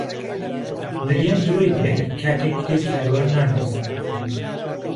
مریەم درۆی دەکرد کاتێک گوتی کاروان ناناسم.